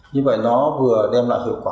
như vậy nó vừa đem lại hiệu quả